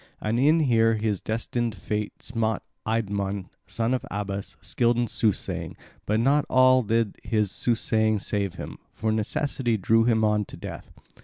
And here his destined fate smote Idmon, son of Abas, skilled in soothsaying; but not at all did his soothsaying save him, for necessity drew him on to death.